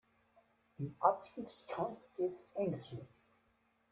Im Abstiegskampf geht es eng zu.